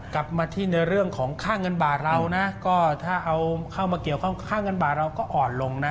กลับมาที่ในเรื่องของค่าเงินบาทเรานะก็ถ้าเอาเข้ามาเกี่ยวข้องค่าเงินบาทเราก็อ่อนลงนะ